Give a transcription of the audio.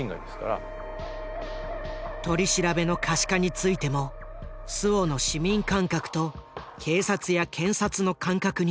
取り調べの可視化についても周防の市民感覚と警察や検察の感覚には大きなずれがあった。